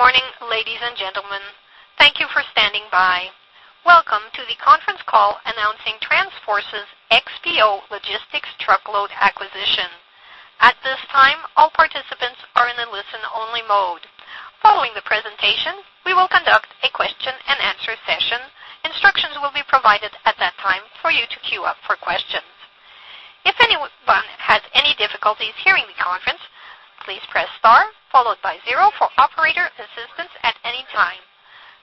Good morning, ladies and gentlemen. Thank you for standing by. Welcome to the conference call announcing TransForce's XPO Logistics truckload acquisition. At this time, all participants are in a listen-only mode. Following the presentation, we will conduct a question-and-answer session. Instructions will be provided at that time for you to queue up for questions. If anyone has any difficulties hearing the conference, please press star followed by zero for operator assistance at any time.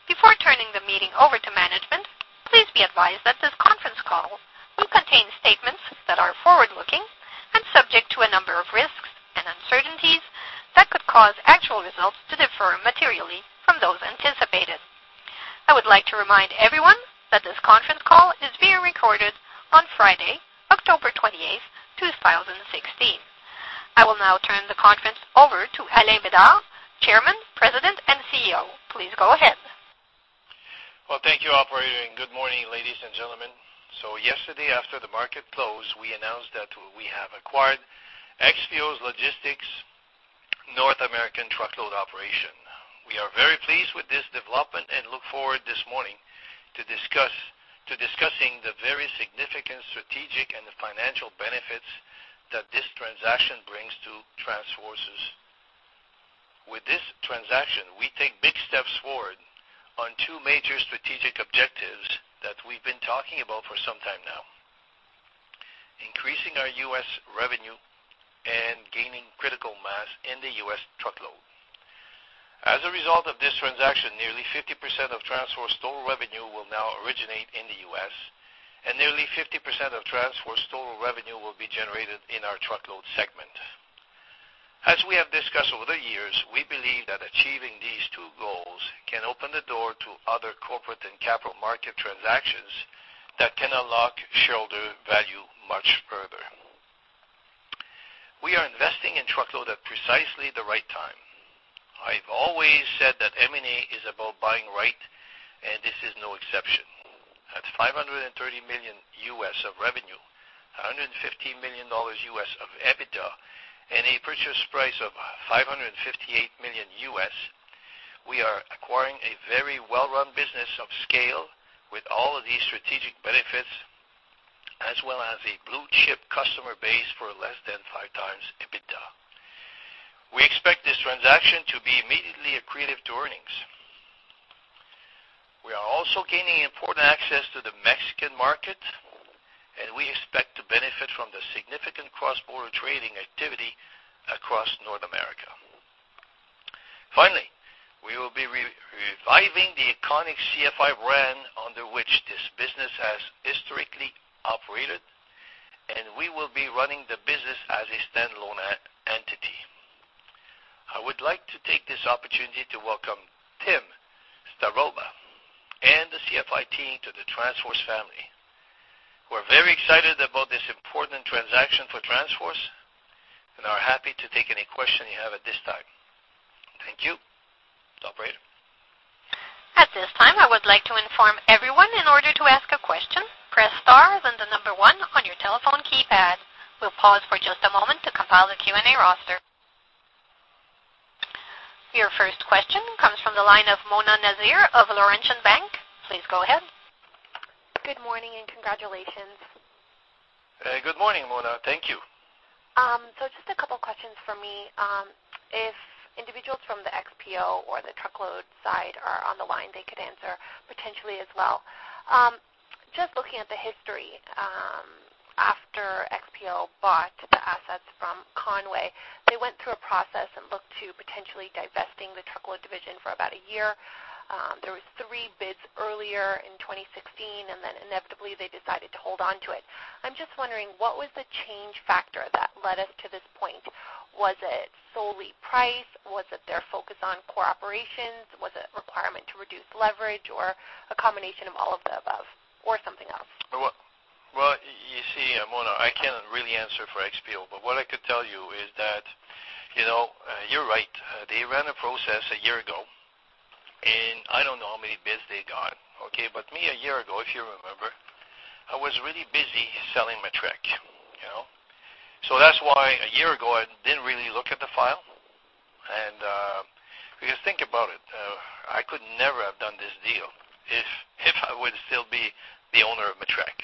Before turning the meeting over to management, please be advised that this conference call will contain statements that are forward-looking and subject to a number of risks and uncertainties that could cause actual results to differ materially from those anticipated. I would like to remind everyone that this conference call is being recorded on Friday, October 28, 2016. I will now turn the conference over to Alain Bedard, Chairman, President, and CEO. Please go ahead. Well, thank you, operator, and good morning, ladies and gentlemen. Yesterday, after the market closed, we announced that we have acquired XPO Logistics' North American truckload operation. We are very pleased with this development and look forward this morning to discuss-- to discussing the very significant strategic and financial benefits that this transaction brings to TransForce. With this transaction, we take big steps forward on two major strategic objectives that we've been talking about for some time now: increasing our U.S. revenue and gaining critical mass in the U.S. truckload. As a result of this transaction, nearly 50% of TransForce total revenue will now originate in the U.S., and nearly 50% of TransForce total revenue will be generated in our truckload segment. As we have discussed over the years, we believe that achieving these two goals can open the door to other corporate and capital market transactions that can unlock shareholder value much further. We are investing in truckload at precisely the right time. I've always said that M&A is about buying right, and this is no exception. At $530 million of revenue, $150 million of EBITDA, and a purchase price of $558 million, we are acquiring a very well-run business of scale with all of these strategic benefits, as well as a blue-chip customer base for less than 5x EBITDA. We expect this transaction to be immediately accretive to earnings. We are also gaining important access to the Mexican market, and we expect to benefit from the significant cross-border trading activity across North America. Finally, we will be reviving the iconic CFI brand under which this business has historically operated, and we will be running the business as a standalone entity. I would like to take this opportunity to welcome Tim Staroba and the CFI team to the TransForce family. We're very excited about this important transaction for TransForce and are happy to take any questions you have at this time. Thank you. Operator? At this time, I would like to inform everyone in order to ask a question, press star, then the number 1 on your telephone keypad. We'll pause for just a moment to compile the Q&A roster. Your first question comes from the line of Mona Nazir of Laurentian Bank. Please go ahead. Good morning, and congratulations. Good morning, Mona. Thank you. So just a couple of questions for me. If individuals from the XPO or the truckload side are on the line, they could answer potentially as well. Just looking at the history, after XPO bought the assets from Con-way, they went through a process and looked to potentially divesting the truckload division for about a year. There were 3 bids earlier in 2016, and then inevitably, they decided to hold on to it. I'm just wondering, what was the change factor that led us to this point? Was it solely price? Was it their focus on core operations? Was it a requirement to reduce leverage or a combination of all of the above or something else? Well, well, you see, Mona, I cannot really answer for XPO, but what I could tell you is that, you know, you're right. They ran a process a year ago, and I don't know how many bids they got, okay? But me, a year ago, if you remember, I was really busy selling Matrec, you know? So that's why a year ago, I didn't really look at the file. And, because think about it, I could never have done this deal if, if I would still be the owner of Matrec.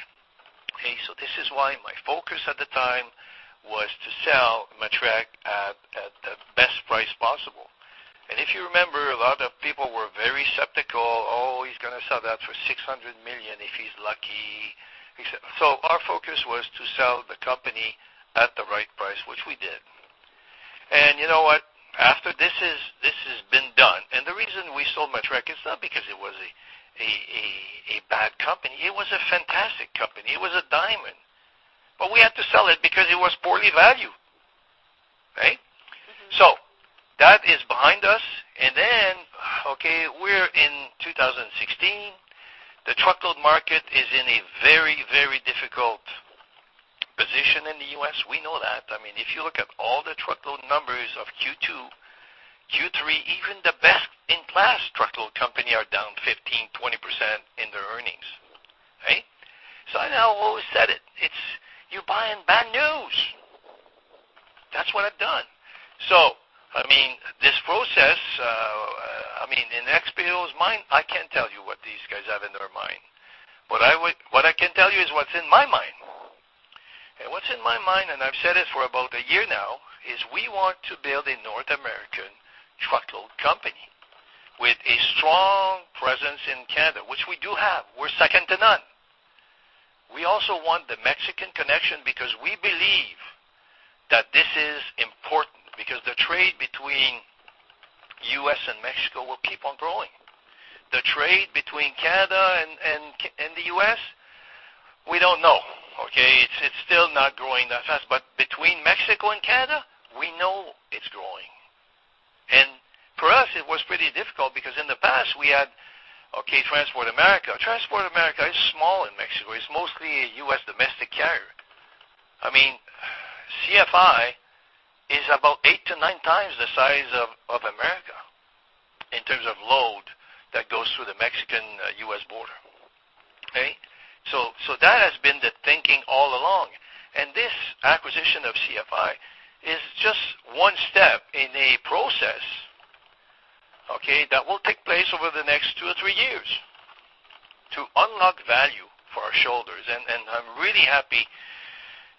Okay, so this is why my focus at the time was to sell Matrec at, at the best price possible. And if you remember, a lot of people were very skeptical. Oh, he's gonna sell that for 600 million, if he's lucky. Our focus was to sell the company at the right price, which we did. You know what? After this has been done. The reason we sold Matrec is not because it was a bad company. It was a fantastic company. It was a diamond, but we had to sell it because it was poorly valued, right? Mm-hmm. So that is behind us, and then, okay, we're in 2016. The truckload market is in a very, very difficult position in the U.S. We know that. I mean, if you look at all the truckload numbers of Q2, Q3, even the best-in-class truckload company are down 15%-20% in their earnings, right? So I know I always said it, it's you're buying bad news.... That's what I've done. So, I mean, this process, I mean, in XPO's mind, I can't tell you what these guys have in their mind. What I can tell you is what's in my mind. And what's in my mind, and I've said this for about a year now, is we want to build a North American truckload company with a strong presence in Canada, which we do have. We're second to none. We also want the Mexican connection because we believe that this is important, because the trade between U.S. and Mexico will keep on growing. The trade between Canada and the U.S., we don't know, okay? It's still not growing that fast, but between Mexico and Canada, we know it's growing. And for us, it was pretty difficult because in the past we had, okay, Transport America. Transport America is small in Mexico. It's mostly a U.S. domestic carrier. I mean, CFI is about 8-9 times the size of Transport America in terms of load that goes through the Mexican-U.S. border. Okay? So that has been the thinking all along, and this acquisition of CFI is just one step in a process, okay, that will take place over the next 2 or 3 years to unlock value for our shareholders. And I'm really happy,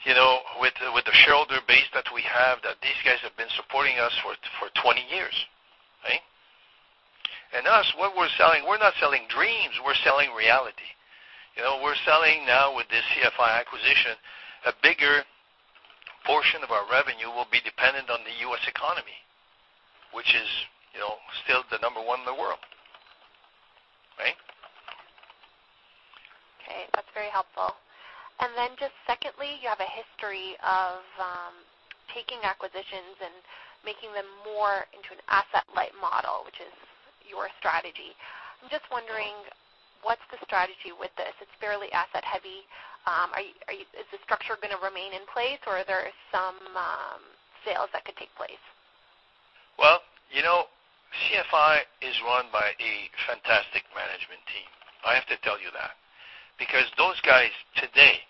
you know, with the shareholder base that we have, that these guys have been supporting us for 20 years. Right? What we're selling, we're not selling dreams, we're selling reality. You know, we're selling now with this CFI acquisition, a bigger portion of our revenue will be dependent on the U.S. economy, which is, you know, still the number one in the world. Right? Okay, that's very helpful. And then just secondly, you have a history of taking acquisitions and making them more into an asset-light model, which is your strategy. I'm just wondering, what's the strategy with this? It's fairly asset-heavy. Is the structure gonna remain in place, or are there some sales that could take place? Well, you know, CFI is run by a fantastic management team. I have to tell you that. Because those guys today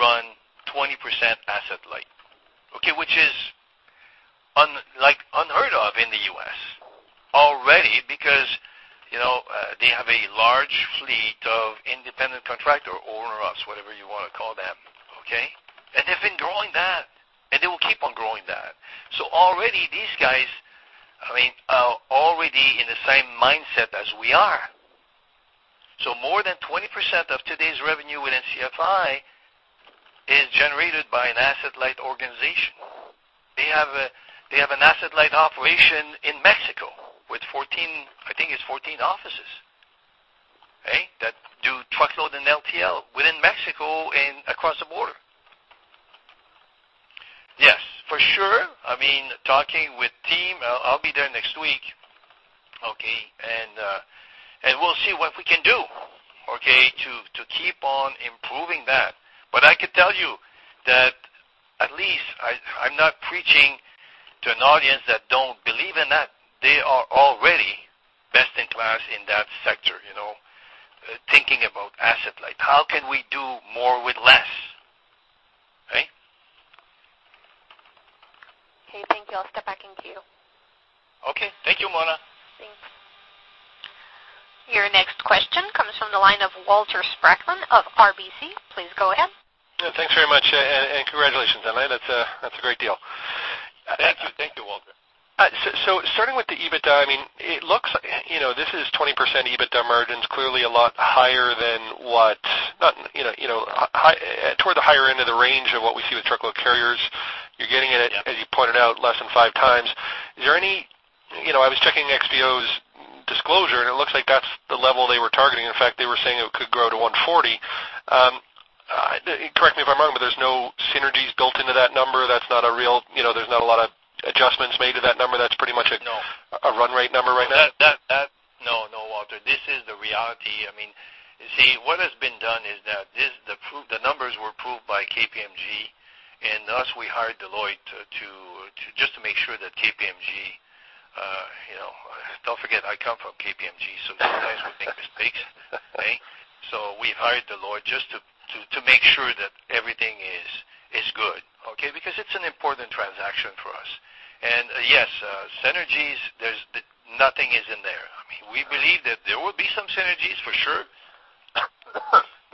run 20% asset-light, okay, which is unlike unheard of in the U.S. already, because, you know, they have a large fleet of independent contractor, owner ops, whatever you wanna call them, okay? And they've been growing that, and they will keep on growing that. So already, these guys, I mean, are already in the same mindset as we are. So more than 20% of today's revenue within CFI is generated by an asset-light organization. They have a, they have an asset-light operation in Mexico with 14, I think it's 14 offices, okay, that do truckload and LTL within Mexico and across the border. Yes, for sure. I mean, talking with team, I'll be there next week, okay, and we'll see what we can do, okay, to keep on improving that. But I can tell you that at least I'm not preaching to an audience that don't believe in that. They are already best in class in that sector, you know, thinking about asset-light. How can we do more with less, right? Okay, thank you. I'll step back into you. Okay. Thank you, Mona. Thanks. Your next question comes from the line of Walter Spracklin of RBC. Please go ahead. Yeah, thanks very much, and congratulations on that. That's a great deal. Thank you. Thank you, Walter. So, starting with the EBITDA, I mean, it looks, you know, this is 20% EBITDA margins, clearly a lot higher than what... Not, you know, you know, high, toward the higher end of the range of what we see with truckload carriers. You're getting it, as you pointed out, less than 5x. Is there any, you know, I was checking XPO's disclosure, and it looks like that's the level they were targeting. In fact, they were saying it could grow to 140. Correct me if I'm wrong, but there's no synergies built into that number. That's not a real, you know, there's not a lot of adjustments made to that number. That's pretty much a- No. a run rate number right now? No, no, Walter, this is the reality. I mean, you see, what has been done is that this, the proof, the numbers were approved by KPMG, and us, we hired Deloitte to just to make sure that KPMG, you know, don't forget, I come from KPMG, so these guys would make mistakes, right? So we hired Deloitte just to make sure that everything is good, okay? Because it's an important transaction for us. And yes, synergies, there's nothing in there. I mean, we believe that there will be some synergies for sure,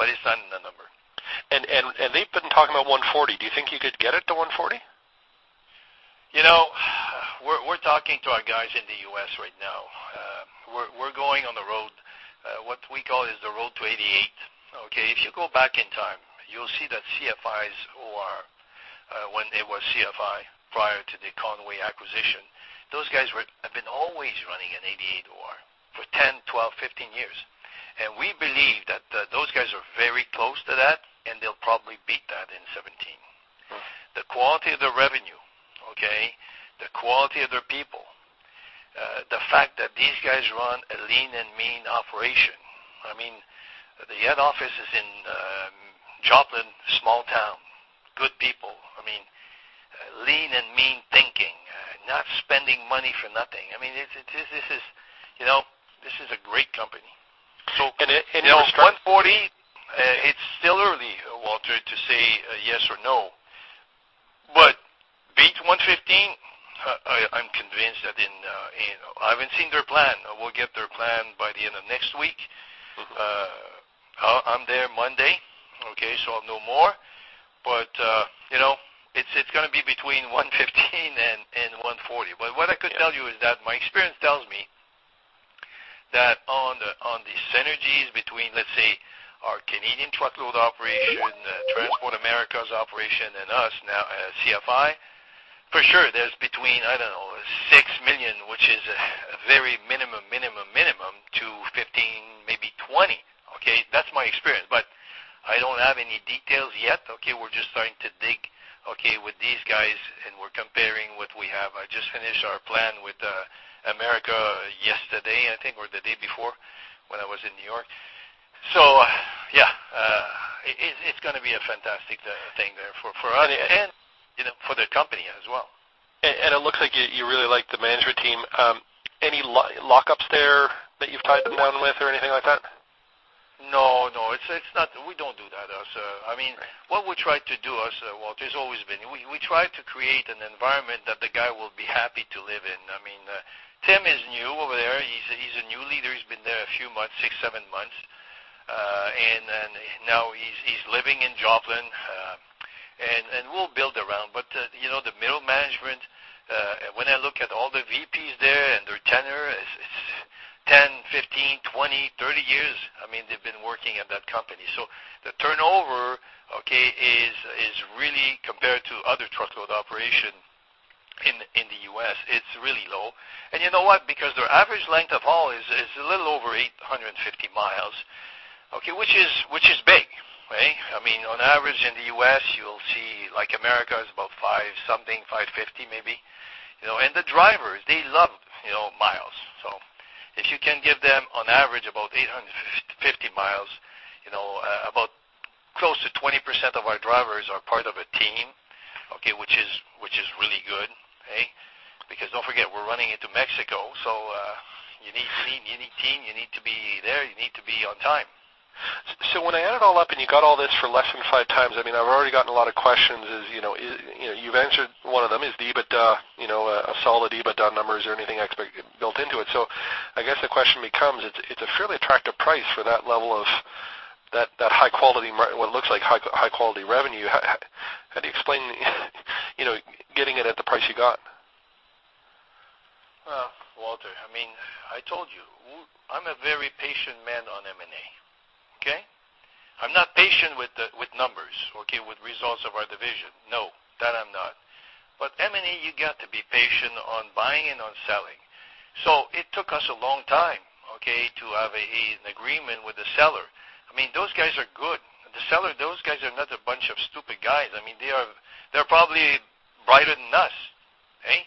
but it's not in the number. They've been talking about $140. Do you think you could get it to $140? You know, we're, we're talking to our guys in the U.S. right now. We're, we're going on the road, what we call is the Road to 88. Okay, if you go back in time, you'll see that CFI's OR, when it was CFI, prior to the Conway acquisition, those guys were, have been always running an 88 OR for 10, 12, 15 years. And we believe that, that those guys are very close to that, and they'll probably beat that in 2017. Hmm. The quality of the revenue, okay, the quality of their people, the fact that these guys run a lean and mean operation. I mean, the head office is in Joplin, small town, good people. I mean, lean and mean thinking, not spending money for nothing. I mean, it's this, this is, you know, this is a great company. So, it was $140, it's still early, Walter, to say yes or no. But beat $115, I'm convinced that, you know, I haven't seen their plan. We'll get their plan by the end of next week. I'm there Monday, okay, so I'll know more. But, you know, it's gonna be between $115 and $140. But what I could tell you is that my experience tells me that on the synergies between, let's say, our Canadian truckload operation, Transport America's operation, and us now, CFI, for sure, there's between, I don't know, $6 million, which is a very minimum, minimum, minimum, to $15 million, maybe $20 million. Okay, that's my experience, but I don't have any details yet, okay? We're just starting to dig, okay, with these guys, and we're comparing what we have. I just finished our plan with Transport America yesterday, I think, or the day before, when I was in New York. So, yeah, it's gonna be a fantastic thing there for us and, you know, for the company as well. It looks like you, you really like the management team. Any lockups there that you've tied them down with or anything like that? No, no, it's not. We don't do that, so I mean, what we try to do, us, Walter, has always been, we try to create an environment that the guy will be happy to live in. I mean, Tim is new over there. He's a new leader. He's been there a few months, six, seven months. And then now he's living in Joplin, and we'll build around. But you know, the middle management, when I look at all the VPs there and their tenure, it's 10, 15, 20, 30 years. I mean, they've been working at that company. So the turnover, okay, is really compared to other truckload operation in the U.S., it's really low. And you know what? Because their average length of haul is a little over 850 miles, okay, which is big, right? I mean, on average in the U.S., you'll see, like, America is about five something, 550, maybe. You know, and the drivers, they love, you know, miles. So if you can give them on average about 850 miles, you know, about close to 20% of our drivers are part of a team, okay, which is really good, eh? Because don't forget, we're running into Mexico, so you need team, you need to be there, you need to be on time. So when I add it all up and you got all this for less than 5x, I mean, I've already gotten a lot of questions, as you know. You know, you've answered one of them, is the EBITDA, you know, a solid EBITDA numbers or anything expected built into it. So I guess the question becomes, it's a fairly attractive price for that level of, that high-quality margin, what looks like high-quality revenue. How do you explain, you know, getting it at the price you got? Well, Walter, I mean, I told you, I'm a very patient man on M&A, okay? I'm not patient with the, with numbers, okay, with results of our division. No, that I'm not. But M&A, you got to be patient on buying and on selling. So it took us a long time, okay, to have a, an agreement with the seller. I mean, those guys are good. The seller, those guys are not a bunch of stupid guys. I mean, they are, they're probably brighter than us, eh?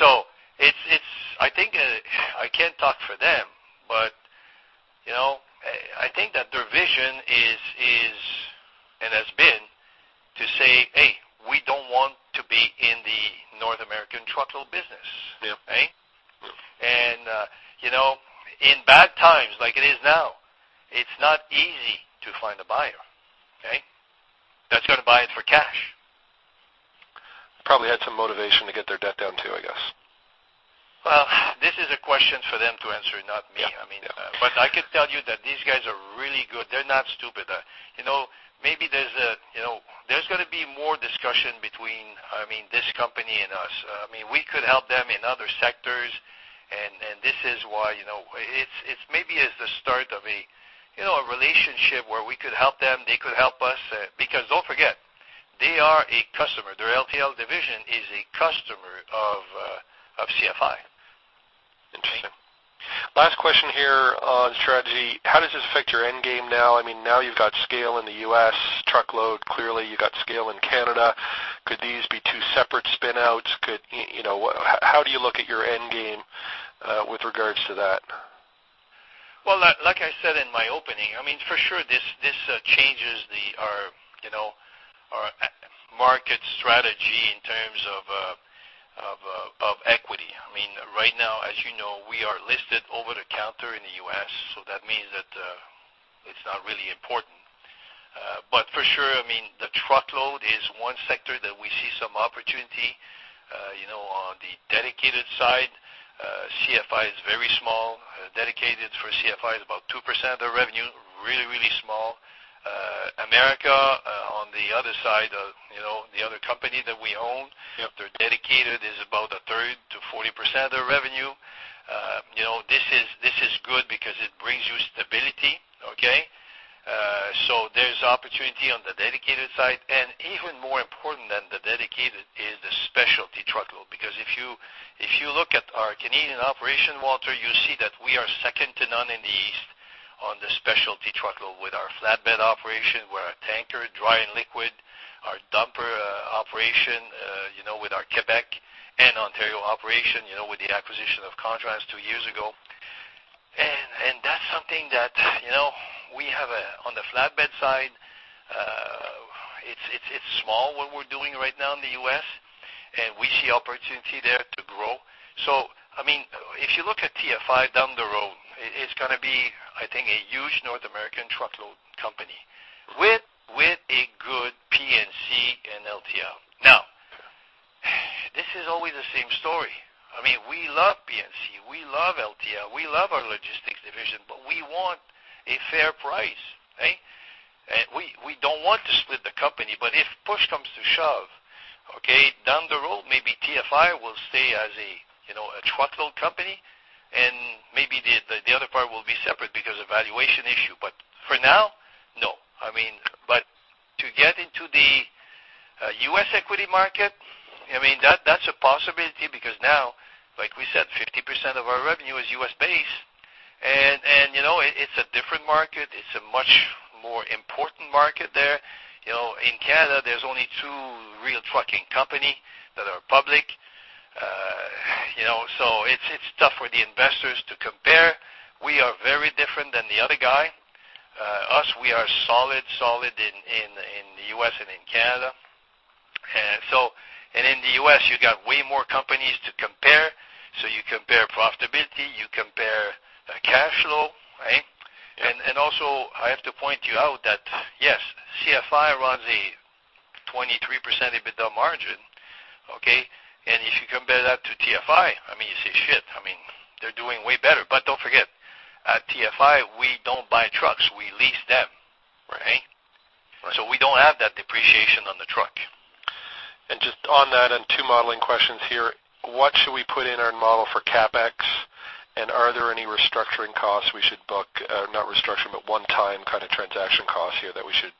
So it's, I think, I can't talk for them, but, you know, I, I think that their vision is, and has been, to say, "Hey, we don't want to be in the North American truckload business. Yeah. You know, in bad times, like it is now, it's not easy to find a buyer, okay, that's gonna buy it for cash. Probably had some motivation to get their debt down, too, I guess. Well, this is a question for them to answer, not me. Yeah. I mean, but I can tell you that these guys are really good. They're not stupid. You know, maybe there's gonna be more discussion between, I mean, this company and us. I mean, we could help them in other sectors, and this is why, you know, it's maybe it's the start of a, you know, a relationship where we could help them, they could help us. Because don't forget, they are a customer. Their LTL division is a customer of of CFI. Interesting. Last question here on strategy: How does this affect your end game now? I mean, now you've got scale in the U.S. truckload. Clearly, you've got scale in Canada. Could these be two separate spin-outs? Could, you know, how do you look at your end game, with regards to that? Well, like I said in my opening, I mean, for sure, this changes our, you know, our market strategy in terms of equity. I mean, right now, as you know, we are listed over the counter in the U.S., so that means that it's not really important. But for sure, I mean, the truckload is one sector that we see some opportunity. You know, on the dedicated side, CFI is very small. Dedicated for CFI is about 2% of revenue. Really, really small. Transport America, on the other side of, you know, the other company that we own- Yep. Their dedicated is about 30%-40% of revenue. You know, this is good because it brings you stability, okay? So there's opportunity on the dedicated side, and even more important than the dedicated is the specialty truckload. Because if you look at our Canadian operation, Walter, you see that we are second to none in the east on the specialty truckload with our flatbed operation, with our tanker, dry and liquid, our dumper operation, you know, with our Quebec and Ontario operation, you know, with the acquisition of Contrans two years ago. And that's something that, you know, we have a, on the flatbed side... It's small what we're doing right now in the U.S., and we see opportunity there to grow. So I mean, if you look at TFI down the road, it's gonna be, I think, a huge North American truckload company with, with a good PNC and LTL. Now, this is always the same story. I mean, we love PNC, we love LTL, we love our logistics division, but we want a fair price, eh? And we, we don't want to split the company, but if push comes to shove, okay, down the road, maybe TFI will stay as a, you know, a truckload company, and maybe the, the other part will be separate because of valuation issue. But for now, no. I mean, but to get into the U.S. equity market, I mean, that, that's a possibility because now, like we said, 50% of our revenue is U.S.-based. And, and, you know, it's a different market. It's a much more important market there. You know, in Canada, there's only two real trucking company that are public. You know, so it's tough for the investors to compare. We are very different than the other guy. Us, we are solid in the U.S. and in Canada. And in the U.S., you got way more companies to compare. So you compare profitability, you compare cash flow, right? And also, I have to point you out that, yes, CFI runs a 23% EBITDA margin, okay? And if you compare that to TFI, I mean, you say, shit, I mean, they're doing way better. But don't forget, at TFI, we don't buy trucks, we lease them, right? So we don't have that depreciation on the truck. And just on that and two modeling questions here. What should we put in our model for CapEx? And are there any restructuring costs we should book, not restructuring, but one-time kind of transaction costs here that we should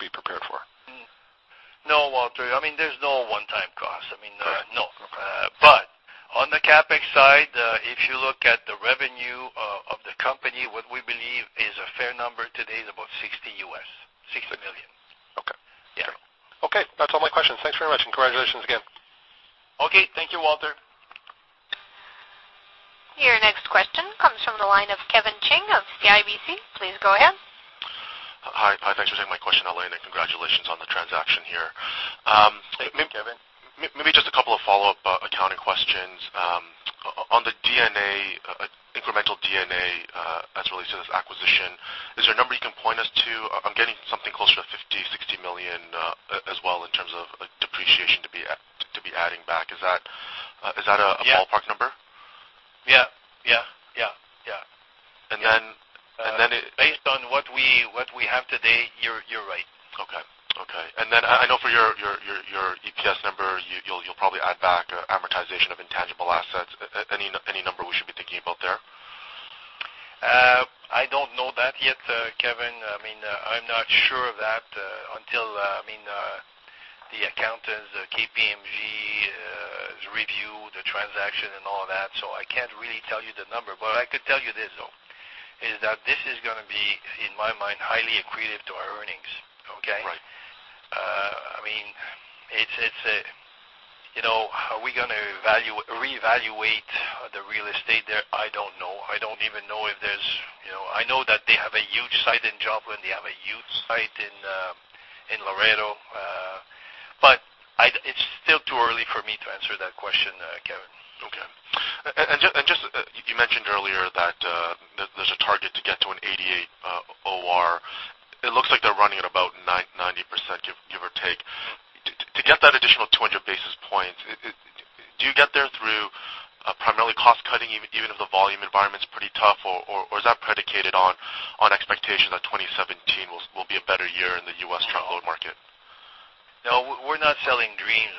be prepared for? No, Walter. I mean, there's no one-time cost. I mean, no. Okay. But on the CapEx side, if you look at the revenue of the company, what we believe is a fair number today is about $60 million. Okay. Yeah. Okay, that's all my questions. Thanks very much, and congratulations again. Okay. Thank you, Walter. Your next question comes from the line of Kevin Chiang of CIBC. Please go ahead. Hi, Brad, thanks for taking my question. I have one, and congratulations on the transaction here. Thank you, Kevin. Maybe just a couple of follow-up accounting questions. On the D&A, incremental D&A, as it relates to this acquisition, is there a number you can point us to? I'm getting something closer to $50-$60 million as well, in terms of depreciation to be adding back. Is that a- Yeah. -ballpark number? Yeah, yeah, yeah, yeah. And then it- Based on what we have today, you're right. Okay. Okay. And then I know for your EPS number, you'll probably add back amortization of intangible assets. Any number we should be thinking about there? I don't know that yet, Kevin. I mean, I'm not sure of that, until, I mean, the accountants, KPMG, review the transaction and all that. So I can't really tell you the number, but I could tell you this, though, is that this is gonna be, in my mind, highly accretive to our earnings. Okay? Right. I mean, it's a. You know, are we gonna reevaluate the real estate there? I don't know. I don't even know if there's, you know, I know that they have a huge site in Joplin, they have a huge site in Laredo, but it's still too early for me to answer that question, Kevin. Okay. And just, you mentioned earlier that there's a target to get to an 88 OR. It looks like they're running at about 90%, give or take. To get that additional 200 basis points, do you get there through primarily cost-cutting, even if the volume environment is pretty tough, or is that predicated on expectations that 2017 will be a better year in the U.S. truckload market? No, we're not selling dreams,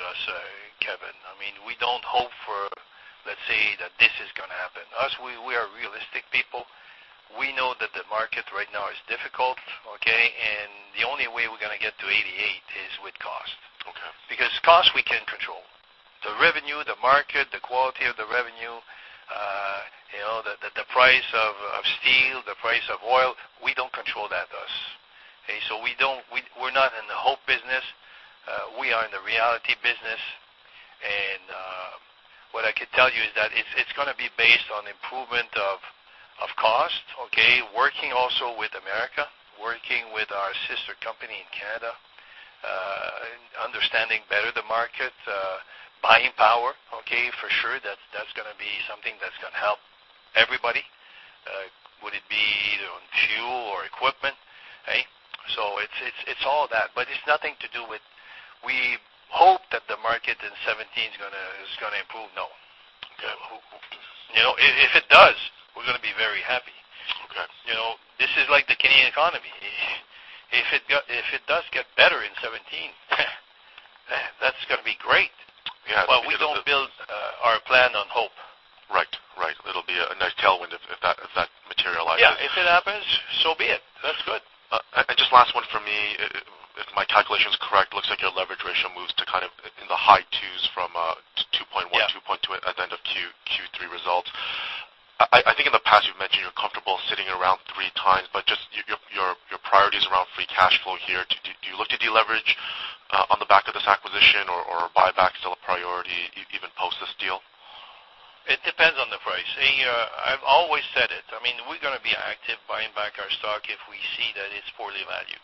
Kevin. I mean, we don't hope for, let's say that this is gonna happen. Us, we, we are realistic people. We know that the market right now is difficult, okay? And the only way we're gonna get to 88 is with cost. Okay. Because cost, we can control. The revenue, the market, the quality of the revenue, you know, the, the, the price of, of steel, the price of oil, we don't control that, us. Okay, so we don't-- we, we're not in the hope business, we are in the reality business. And, what I could tell you is that it's, it's gonna be based on improvement of, of cost, okay, working also with America, working with our sister company in Canada, understanding better the market, buying power, okay? For sure, that, that's gonna be something that's gonna help everybody, would it be on fuel or equipment, eh? So it's all that, but it's nothing to do with... We hope that the market in 2017 is gonna improve. No. Okay. You know, if, if it does, we're gonna be very happy. Okay. You know, this is like the Canadian economy. If it got, if it does get better in 2017, that's gonna be great. Yeah. But we don't build our plan on hope. Right. Right. It'll be a nice tailwind if that, if that materializes. Yeah, if it happens, so be it. That's good. Just last one for me. If my calculation is correct, looks like your leverage ratio moves to kind of in the high 2s from 2.1- Yeah. 2.2 at the end of Q3 results. I think in the past, you've mentioned you're comfortable sitting around three times, but just your priority is around free cash flow here. Do you look to deleverage on the back of this acquisition or buyback is still a priority, even post this deal? ...It depends on the price. I've always said it. I mean, we're gonna be active buying back our stock if we see that it's poorly valued.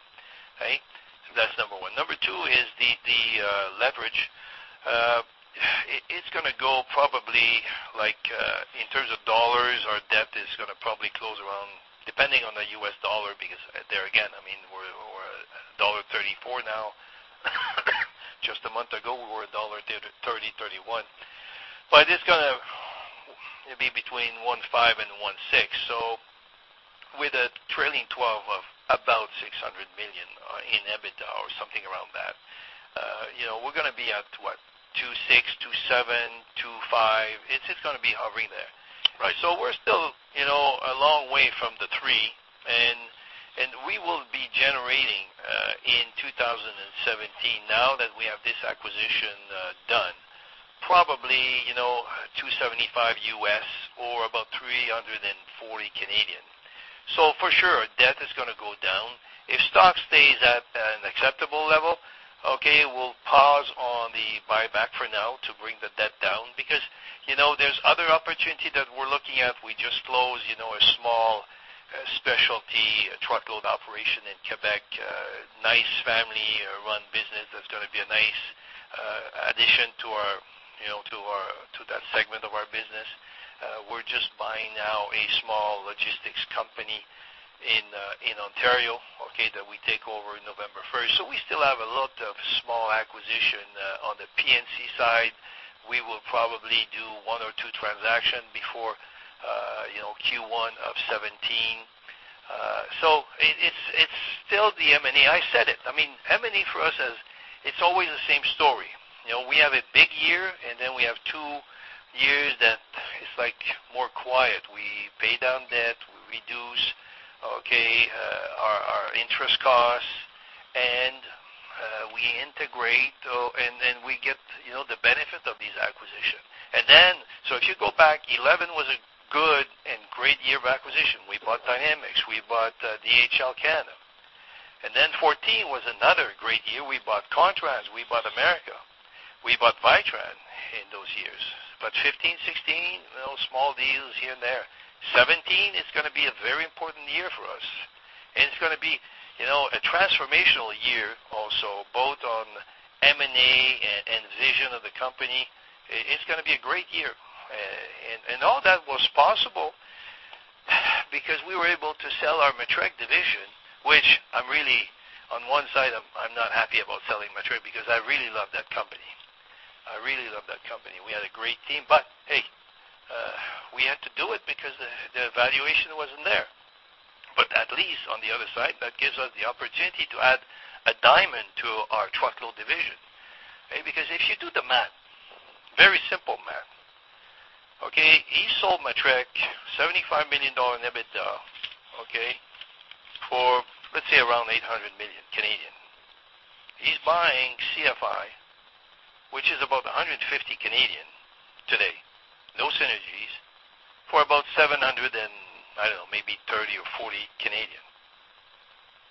Okay, that's number one. Number two is the leverage. It's gonna go probably, like, in terms of dollars, our debt is gonna probably close around, depending on the U.S.. dollar, because there again, I mean, we're, we're at 1.34 now. Just a month ago, we were at 1.30, 1.31. But it's gonna be between 1.5-1.6. So with a trailing twelve of about 600 million in EBITDA or something around that, you know, we're gonna be at what? 2.6, 2.7, 2.5. It's just gonna be hovering there, right? So we're still, you know, a long way from the three, and, and we will be generating in 2017, now that we have this acquisition done, probably, you know, $275 U.S. or about 340. So for sure, debt is gonna go down. If stock stays at an acceptable level, okay, we'll pause on the buyback for now to bring the debt down because, you know, there's other opportunity that we're looking at. We just closed, you know, a small specialty truckload operation in Quebec. Nice family-run business. That's gonna be a nice addition to our, you know, to our, to that segment of our business. We're just buying now a small logistics company in Ontario, okay, that we take over November first. So we still have a lot of small acquisition. On the P&C side, we will probably do one or two transactions before, you know, Q1 of 2017. So it's still the M&A. I said it. I mean, M&A for us is, it's always the same story. You know, we have a big year, and then we have two years that it's, like, more quiet. We pay down debt, we reduce, okay, our interest costs, and we integrate, and we get, you know, the benefit of these acquisitions. And then, so if you go back, 2011 was a good and great year of acquisition. We bought Dynamex, we bought DHL Canada, and then 2014 was another great year. We bought Contrans, we bought Transport America, we bought Vitran in those years. But 2015, 2016, well, small deals here and there. 2017 is gonna be a very important year for us, and it's gonna be, you know, a transformational year also, both on M&A and vision of the company. It's gonna be a great year. And all that was possible because we were able to sell our Matrec division, which I'm really on one side, I'm not happy about selling Matrec because I really love that company. I really love that company. We had a great team, but, hey, we had to do it because the valuation wasn't there. But at least on the other side, that gives us the opportunity to add a diamond to our truckload division. Because if you do the math, very simple math, okay, he sold Matrec 75 million dollar in EBITDA, okay, for, let's say, around 800 million Canadian dollars. He's buying CFI, which is about 150 Canadian dollars today, no synergies, for about 730-740 CAD.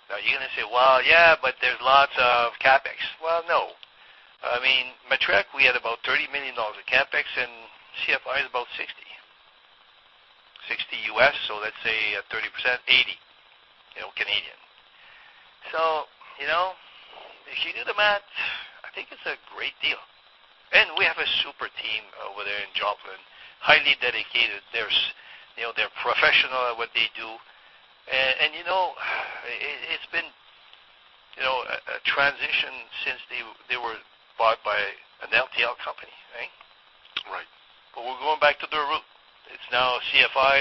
Now, you're gonna say, "Well, yeah, but there's lots of CapEx." Well, no. I mean, Matrec, we had about $30 million of CapEx, and CFI is about 60. Sixty U.S., so let's say at 30%, 80, you know, CAD. So, you know, if you do the math, I think it's a great deal. And we have a super team over there in Joplin, highly dedicated. There's, you know, they're professional at what they do. And, you know, it, it's been, you know, a, a transition since they, they were bought by an LTL company, right? Right. But we're going back to the root. It's now CFI,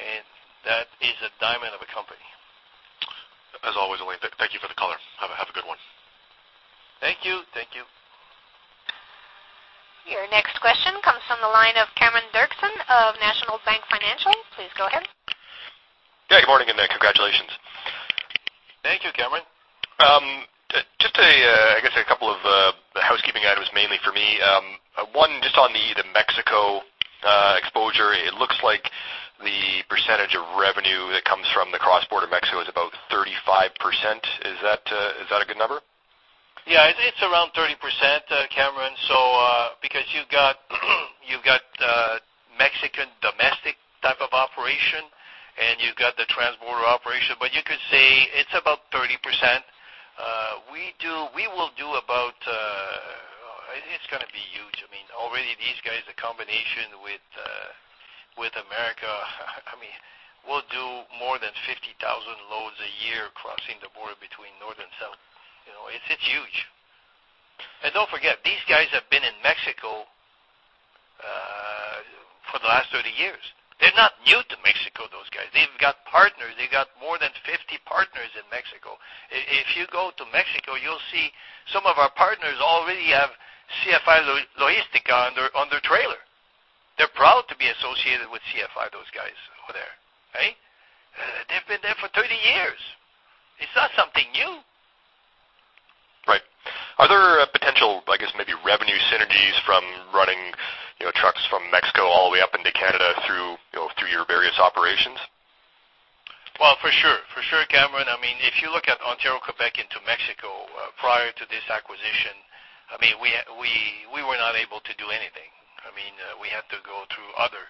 and that is a diamond of a company. As always, Alain, thank you for the color. Have a good one. Thank you. Thank you. Your next question comes from the line of Cameron Doerksen of National Bank Financial. Please go ahead. Yeah, good morning, and congratulations. Thank you, Cameron. Just a, I guess a couple of housekeeping items, mainly for me. One, just on the Mexico exposure, it looks like the percentage of revenue that comes from the cross-border Mexico is about 35%. Is that a good number? Yeah, it's around 30%, Cameron. So, because you've got, you've got, Mexican domestic type of operation, and you've got the transborder operation, but you could say it's about 30%. We will do about, it's gonna be huge. I mean, already these guys, a combination with, with America, I mean, we'll do more than 50,000 loads a year crossing the border between north and south. You know, it's, it's huge. And don't forget, these guys have been in Mexico, for the last 30 years. They're not new to Mexico, those guys. They've got partners. They've got more than 50 partners in Mexico. If, if you go to Mexico, you'll see some of our partners already have CFI Logistica on their, on their trailer. They're proud to be associated with CFI, those guys over there. Okay? They've been there for 30 years. It's not something new. Right. Are there potential, I guess, maybe revenue synergies from running, you know, trucks from Mexico all the way up into your various operations? Well, for sure, for sure, Cameron. I mean, if you look at Ontario, Quebec into Mexico, prior to this acquisition, I mean, we were not able to do anything. I mean, we had to go through other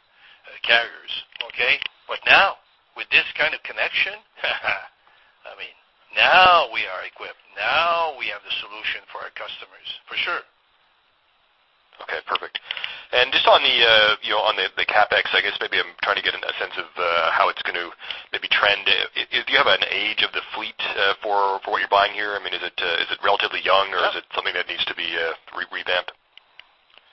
carriers, okay? But now, with this kind of connection, I mean, now we are equipped. Now we have the solution for our customers, for sure. Okay, perfect. And just on the, you know, on the CapEx, I guess maybe I'm trying to get a sense of how it's going to maybe trend. Do you have an age of the fleet for what you're buying here? I mean, is it relatively young, or is it something that needs to be revamped?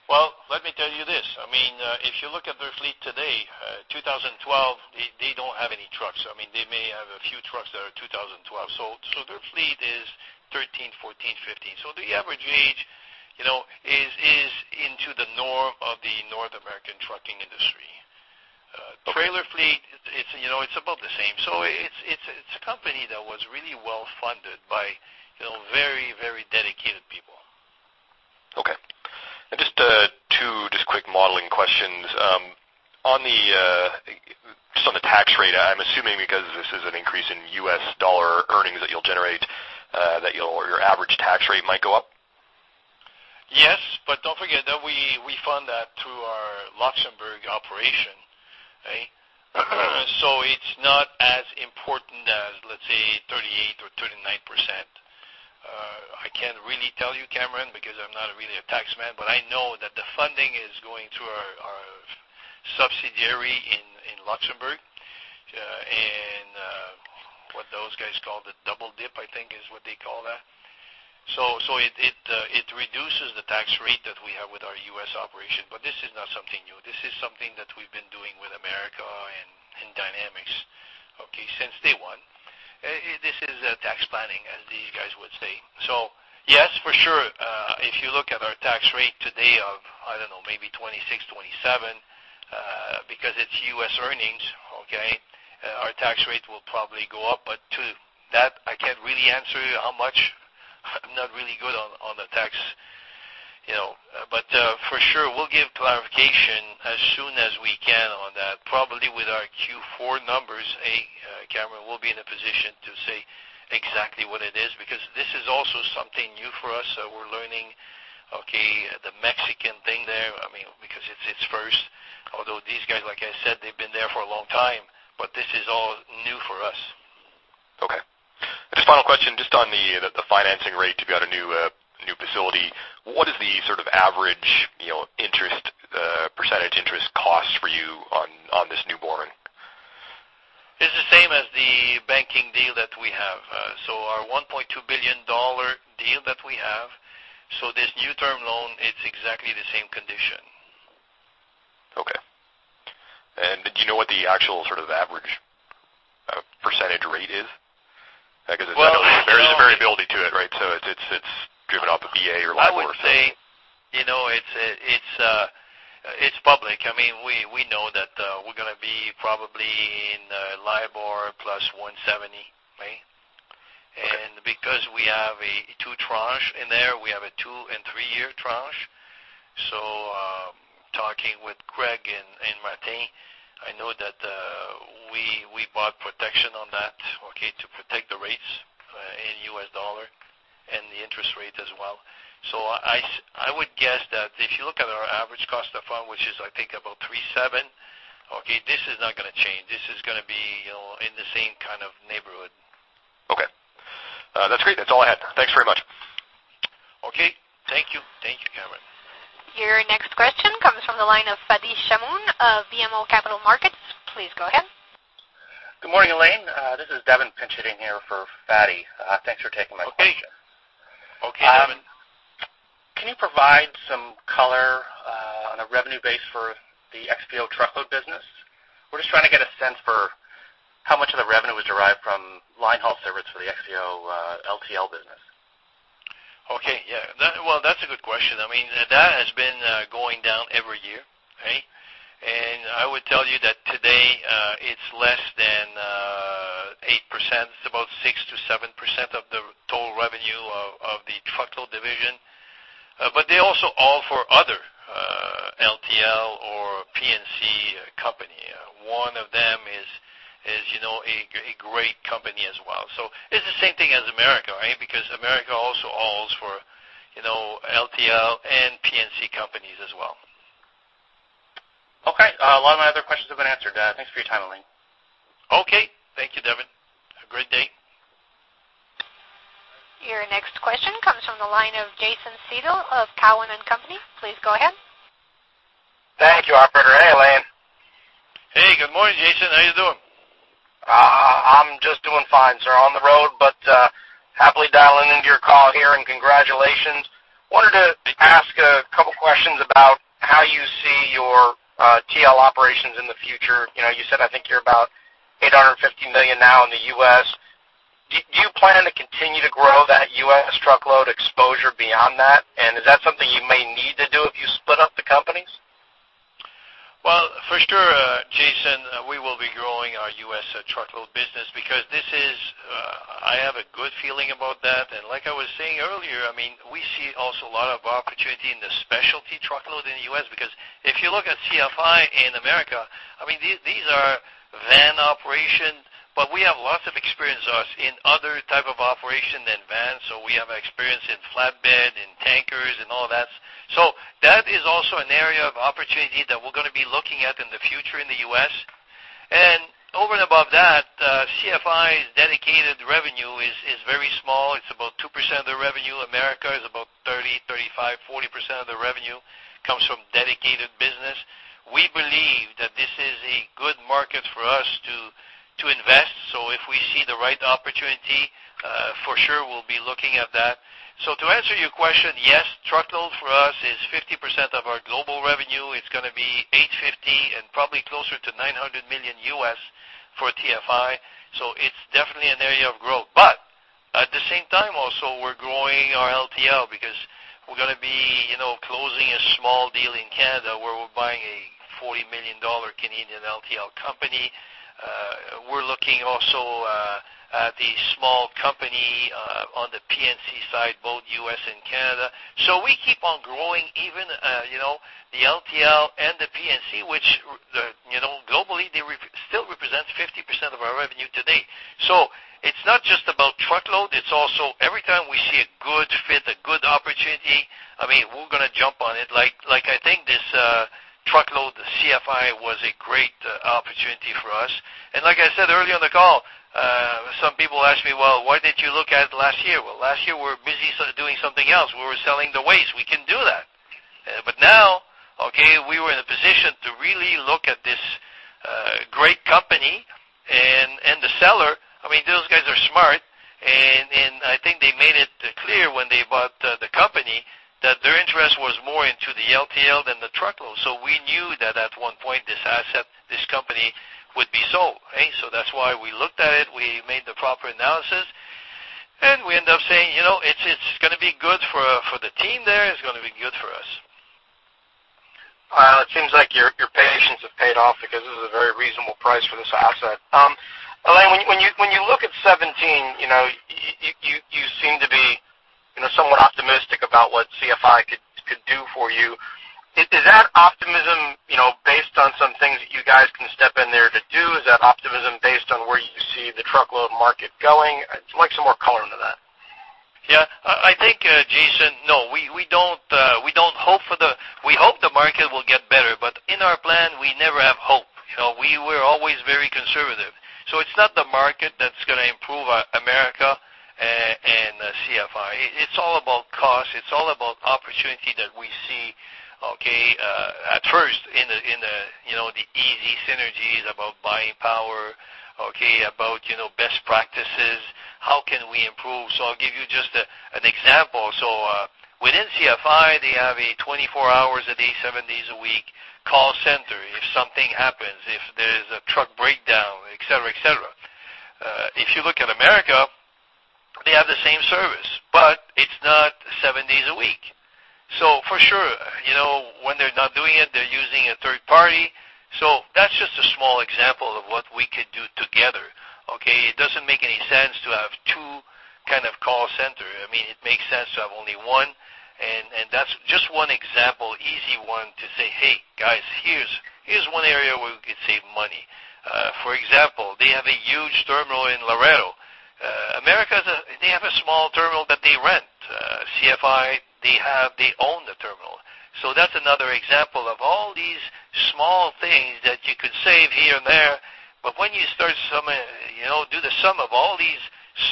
Well, let me tell you this. I mean, if you look at their fleet today, 2012, they don't have any trucks. I mean, they may have a few trucks that are 2012. So their fleet is 13, 14, 15. So the average age, you know, is into the norm of the North American trucking industry. Okay. trailer fleet, it's, you know, it's about the same. So it's a company that was really well-funded by, you know, very, very dedicated people. Okay. Just two quick modeling questions. On the tax rate, I'm assuming, because this is an increase in U.S. dollar earnings that you'll generate, that your average tax rate might go up? Yes, but don't forget that we fund that through our Luxembourg operation. Okay? So it's not as important as, let's say, 38% or 39%. I can't really tell you, Cameron, because I'm not really a tax man, but I know that the funding is going through our subsidiary in Luxembourg, and what those guys call the double dip, I think, is what they call that. So it reduces the tax rate that we have with our U.S. operation, but this is not something new. This is something that we've been doing with Transport America and Dynamex, okay, since day one. This is a tax planning, as these guys would say. So yes, for sure. If you look at our tax rate today of, I don't know, maybe 26-27%, because it's U.S. earnings, okay, our tax rate will probably go up. But to that, I can't really answer you how much. I'm not really good on, on the tax, you know, but, for sure, we'll give clarification as soon as we can on that, probably with our Q4 numbers, okay, Cameron, we'll be in a position to say exactly what it is, because this is also something new for us. So we're learning, okay, the Mexican thing there, I mean, because it's, it's first, although these guys, like I said, they've been there for a long time, but this is all new for us. Okay. Just final question, just on the financing rate to get a new facility. What is the sort of average, you know, interest percentage interest cost for you on this new bond? It's the same as the banking deal that we have. So our $1.2 billion deal that we have, so this new term loan, it's exactly the same condition. Okay. And do you know what the actual sort of average, percentage rate is? Well, so- Because there's a variability to it, right? So it's driven off the BA or LIBOR. I would say, you know, it's public. I mean, we know that we're going to be probably in LIBOR plus 170, okay? Okay. Because we have a two-tranche in there, we have a two- and three-year tranche. So, talking with Craig and Martin, I know that we bought protection on that, okay, to protect the rates in U.S. dollar and the interest rate as well. So I would guess that if you look at our average cost of fund, which is, I think, about 3.7, okay, this is not going to change. This is going to be, you know, in the same kind of neighborhood. Okay. That's great. That's all I had. Thanks very much. Okay. Thank you. Thank you, Cameron. Your next question comes from the line of Fadi Chamoun of BMO Capital Markets. Please go ahead. Good morning, Alain. This is Devin, pitching in here for Fadi. Thanks for taking my question. Okay. Okay, Devin. Can you provide some color on a revenue base for the XPO Truckload business? We're just trying to get a sense for how much of the revenue is derived from line haul service for the XPO LTL business. Okay. Yeah, that... Well, that's a good question. I mean, that has been going down every year, okay? I would tell you that today, it's less than 8%. It's about 6%-7% of the total revenue of the Truckload division. But they also haul for other LTL or P&C companies. One of them is, you know, a great company as well. So it's the same thing as America, right? Because America also hauls for, you know, LTL and P&C companies as well. Okay. A lot of my other questions have been answered. Thanks for your time, Alain. Okay. Thank you, Devin. Have a great day. Your next question comes from the line of Jason Seidl of Cowen and Company. Please go ahead. Thank you, operator. Hey, Alain. Hey, good morning, Jason. How are you doing? I'm just doing fine, sir, on the road, but happily dialing into your call here, and congratulations. Wanted to ask a couple of questions about how you see your TL operations in the future. You know, you said I think you're about $850 million now in the U.S. Do you plan to continue to grow that U.S. Truckload exposure beyond that? And is that something you may need to do if you split up the companies? ...Well, for sure, Jason, we will be growing our U.S. truckload business because this is, I have a good feeling about that. And like I was saying earlier, I mean, we see also a lot of opportunity in the specialty truckload in the U.S., because if you look at CFI in America, I mean, these, these are van operation, but we have lots of experience us in other type of operation than vans. So we have experience in flatbed, in tankers, and all that. So that is also an area of opportunity that we're gonna be looking at in the future in the U.S. And over and above that, CFI's dedicated revenue is, is very small. It's about 2% of the revenue. America is about 30%-40% of the revenue comes from dedicated business. We believe that this is a good market for us to invest. So if we see the right opportunity, for sure, we'll be looking at that. So to answer your question, yes, truckload for us is 50% of our global revenue. It's gonna be $850 million and probably closer to $900 million for TFI. So it's definitely an area of growth. But at the same time also, we're growing our LTL because we're gonna be, you know, closing a small deal in Canada, where we're buying a 40 million Canadian dollars Canadian LTL company. We're looking also at a small company on the P&C side, both U.S. and Canada. So we keep on growing, even, you know, the LTL and the P&C, which the, you know, globally, they still represent 50% of our revenue today. So it's not just about truckload, it's also every time we see a good fit, a good opportunity, I mean, we're gonna jump on it. Like, like, I think this, truckload, CFI was a great opportunity for us. And like I said earlier on the call, some people ask me, "Well, why didn't you look at it last year?" Well, last year, we were busy doing something else. We were selling the waste. We can do that. But now, okay, we were in a position to really look at this, great company and, and the seller. I mean, those guys are smart, and, and I think they made it clear when they bought the, the company, that their interest was more into the LTL than the truckload. So we knew that at one point, this asset, this company, would be sold, okay? So that's why we looked at it, we made the proper analysis, and we end up saying, "You know, it's, it's gonna be good for, for the team there. It's gonna be good for us. Well, it seems like your patience have paid off because this is a very reasonable price for this asset. Alain, when you look at 17, you know, you seem to be, you know, somewhat optimistic about what CFI could do for you. Is that optimism, you know, based on some things that you guys can step in there to do? Is that optimism based on where you see the truckload market going? I'd like some more color into that. Yeah. I think, Jason, no, we don't hope for the... We hope the market will get better, but in our plan, we never have hope. You know, we were always very conservative. So it's not the market that's gonna improve, Transport America, and CFI. It's all about cost. It's all about opportunity that we see, okay, at first in the, you know, the easy synergies, about buying power, okay, about, you know, best practices, how can we improve? So I'll give you just an example. So, within CFI, they have a 24 hours a day, 7 days a week call center, if something happens, if there's a truck breakdown, et cetera, et cetera. If you look at Transport America, they have the same service, but it's not 7 days a week. So for sure, you know, when they're not doing it, they're using a third party. So that's just a small example of what we could do together, okay? It doesn't make any sense to have two kind of call center. I mean, it makes sense to have only one, and that's just one example, easy one, to say, "Hey, guys, here's one area where we could save money." For example, they have a huge terminal in Laredo. Transport America, they have a small terminal that they rent. CFI, they own the terminal. So that's another example of all these small things that you could save here and there, but when you start, you know, do the sum of all these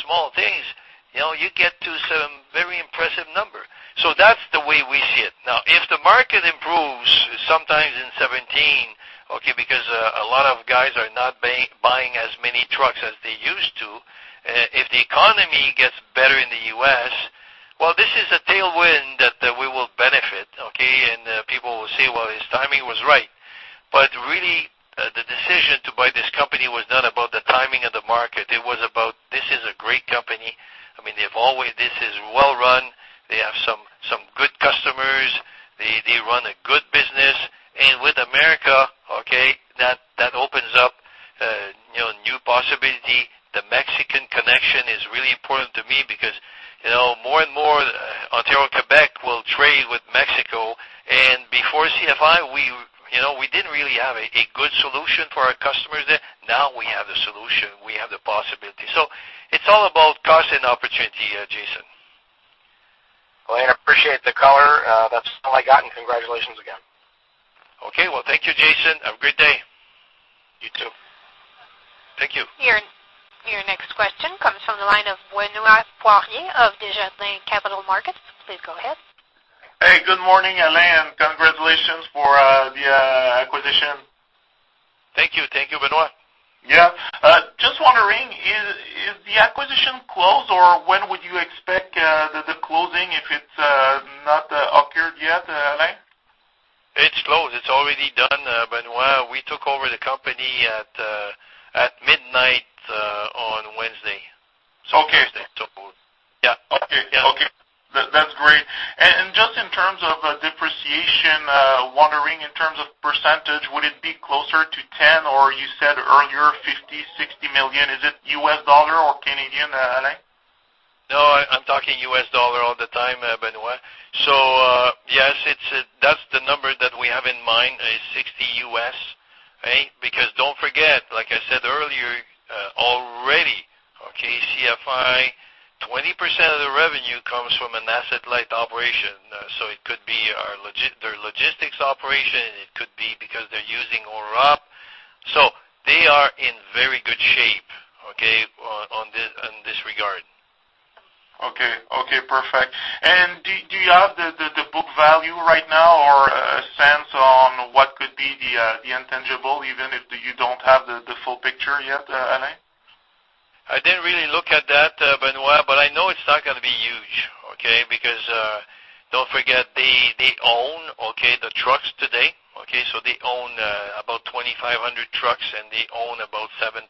small things, you know, you get to some very impressive number. So that's the way we see it. Now, if the market improves sometime in 2017, okay, because a lot of guys are not buying as many trucks as they used to, if the economy gets better in the U.S., well, this is a tailwind that we will benefit, okay? And people will say, "Well, his timing was right." But really, the decision to buy this company was not about the timing of the market. It was about, this is a great company. I mean, they've always... This is well-run. They have some good customers. They run a good business. And with Transport America, okay, that opens up, you know, new possibilities. The Mexican connection is really important to me because, you know, more and more, Ontario, Quebec will trade with Mexico, and before CFI, we, you know, we didn't really have a good solution for our customers there. Now we have the solution, we have the possibility. So it's all about cost and opportunity, Jason. Well, I appreciate the color. That's all I got, and congratulations again. Okay. Well, thank you, Jason. Have a great day. You, too. Thank you. Your next question comes from the line of Benoit Poirier of Desjardins Capital Markets. Please go ahead. Hey, good morning, Alain, and congratulations for the acquisition. Thank you. Thank you, Benoit. Yeah. Just wondering, is the acquisition closed, or when would you expect the closing, if it's not occurred yet, Alain? It's closed. It's already done, Benoit. We took over the company at midnight- ... Okay. So, yeah. Okay, okay, that's great. And, and just in terms of depreciation, wondering in terms of percentage, would it be closer to 10%, or you said earlier, $50-$60 million? Is it U.S. dollar or Canadian dollar, Alain? No, I'm talking U.S. dollar all the time, Benoit. So, yes, it's, that's the number that we have in mind, is $60, right? Because don't forget, like I said earlier, already, okay, CFI, 20% of the revenue comes from an asset-light operation. So it could be our logi- their logistics operation, it could be because they're using owner op. So they are in very good shape, okay, on this, in this regard. Okay, okay, perfect. And do you have the book value right now or a sense on what could be the intangible, even if you don't have the full picture yet, Alain? I didn't really look at that, Benoit, but I know it's not gonna be huge, okay? Because, don't forget, they, they own, okay, the trucks today, okay, so they own about 2,500 trucks, and they own about 7,000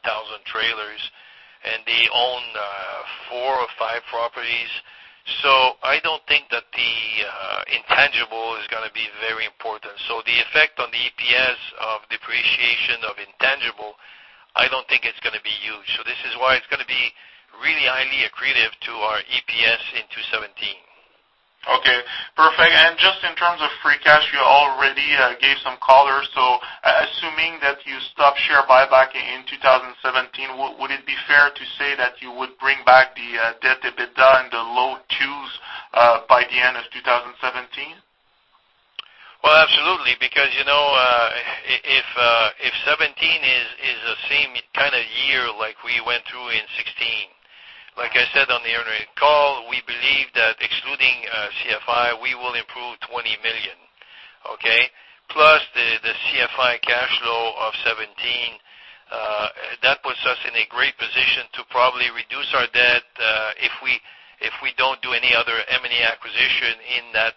trailers, and they own four or five properties. So I don't think that the intangible is gonna be very important. So the effect on the EPS of depreciation of intangible, I don't think it's gonna be huge. So this is why it's gonna be really highly accretive to our EPS in 2017. Okay, perfect. And just in terms of free cash, you already gave some color. So assuming that you stop share buyback in 2017, would it be fair to say that you would bring back the debt to EBITDA in the low 2s by the end of 2017? Well, absolutely, because, you know, if 2017 is the same kind of year like we went through in 2016, like I said on the earnings call, we believe that excluding CFI, we will improve 20 million, okay? Plus the CFI cash flow of 17 million, that puts us in a great position to probably reduce our debt, if we don't do any other M&A acquisition in that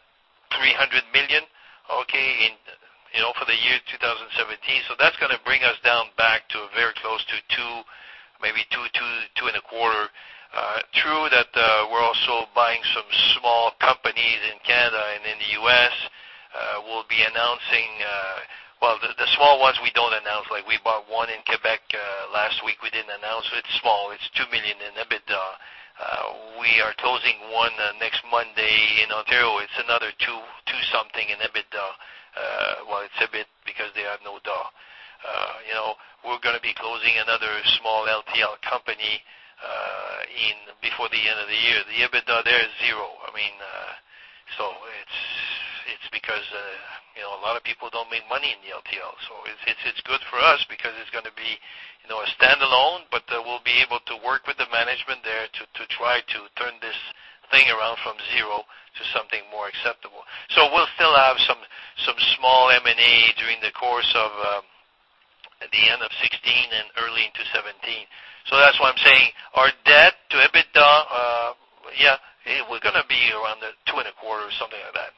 300 million, okay, you know, for the year 2017. So that's gonna bring us down back to very close to 2, maybe 2.2, 2.25. True that, we're also buying some small companies in Canada and in the U.S. We'll be announcing, well, the small ones we don't announce, like we bought one in Quebec last week. We didn't announce. It's small. It's 2 million in EBITDA. We are closing one, next Monday in Ontario. It's another 2, 2-something in EBITDA. Well, it's EBIT because they have no DA. You know, we're gonna be closing another small LTL company, one before the end of the year. The EBITDA there is zero. I mean, so it's, it's because, you know, a lot of people don't make money in the LTL. So it's, it's, it's good for us because it's gonna be, you know, a standalone, but, we'll be able to work with the management there to, to try to turn this thing around from zero to something more acceptable. So we'll still have some, some small M&A during the course of, at the end of 2016 and early into 2017. So that's why I'm saying our debt to EBITDA, we're gonna be around the 2.25 or something like that.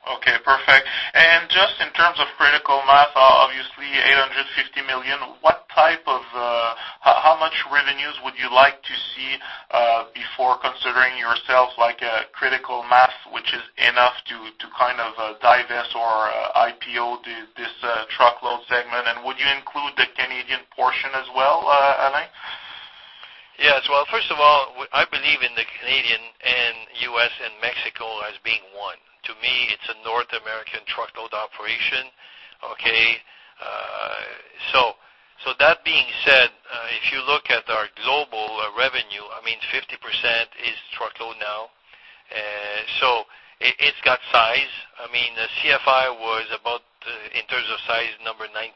Okay, perfect. And just in terms of critical mass, obviously $850 million, what type of, how, how much revenues would you like to see before considering yourself like a critical mass, which is enough to, to kind of divest or IPO this truckload segment? And would you include the Canadian portion as well, Alain? Yes. Well, first of all, I believe in Canada and the U.S. and Mexico as being one. To me, it's a North American truckload operation, okay? So, so that being said, if you look at our global revenue, I mean, 50% is truckload now. So it, it's got size. I mean, CFI was about, in terms of size, number 19.